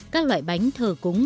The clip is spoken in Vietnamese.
các loại bánh thờ cúng